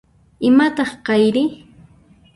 Imataq kayri?